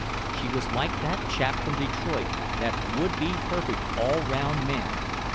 She was like that chap from Detroit, that would be perfect all round man.